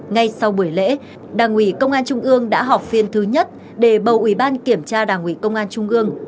ngay sau buổi lễ đảng ủy công an trung ương đã họp phiên thứ nhất để bầu ủy ban kiểm tra đảng ủy công an trung gương